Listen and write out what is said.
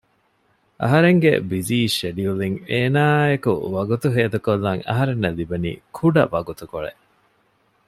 އަހަރެންގެ ބިޒީ ޝެޑިއުލްއިން އޭނައާއިއެކު ވަގުތު ހޭދަކޮށްލަން އަހަންނަށް ލިބެނީ ކުޑަ ވަގުތުކޮޅެއް